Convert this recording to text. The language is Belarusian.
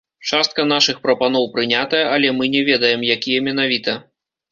Частка нашых прапаноў прынятая, але мы не ведаем, якія менавіта.